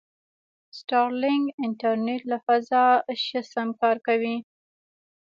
سټارلینک انټرنېټ له فضا شه سم کار کوي.